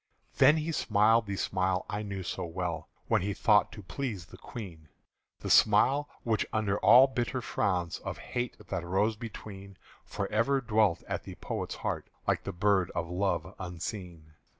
Then he smiled the smile I knew so well When he thought to please the Queen; The smile which under all bitter frowns Of hate that rose between, For ever dwelt at the poet's heart Like the bird of love unseen.